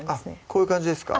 こういう感じですか？